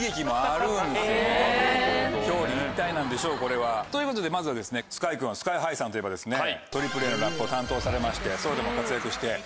表裏一体なんでしょうこれは。ということでまずはＳＫＹ君ＳＫＹ−ＨＩさんといえばＡＡＡのラップを担当されましてソロでも活躍して。